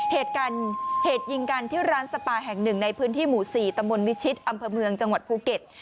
เหตุยิงกันที่ร้านสปาแห่งหนึ่งในพื้นที่หมู่๔ตมวิชิตอำเภอเมืองจังหวัดภูเก็ต